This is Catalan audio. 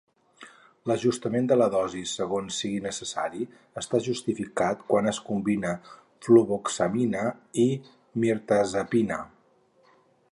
L'ajustament de la dosi segons sigui necessari està justificat quan es combina fluvoxamina i mirtazapina.